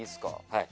はい。